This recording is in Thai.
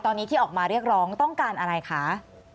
ตอนนี้ที่ออกมาเรียกร้องต้องการอะไรคะ